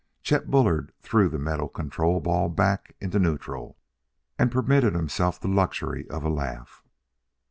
Chet Bullard drew the metal control ball back into neutral and permitted himself the luxury of a laugh.